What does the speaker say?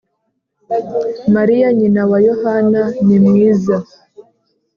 Mariya nyina wa Yohana nimwiza